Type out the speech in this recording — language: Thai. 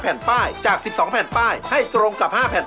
เพราะประตูมาที่๑เสมอ